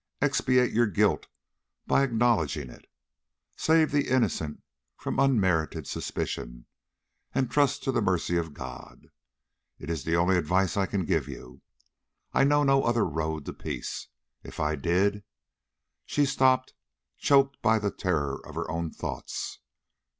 Expiate your guilt by acknowledging it. Save the innocent from unmerited suspicion, and trust to the mercy of God. It is the only advice I can give you. I know no other road to peace. If I did " She stopped, choked by the terror of her own thoughts.